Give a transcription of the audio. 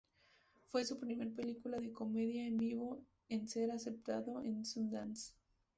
Fue su primer película de comedia en vivo en ser aceptado en Sundance.